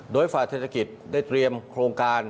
โดยฝ่าเศรษฐกิจได้เตรียมโครงการ